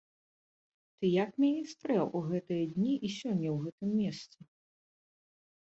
Ты як мяне стрэў у гэтыя дні і сёння ў гэтым месцы?